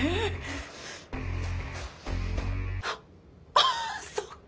ああそっか。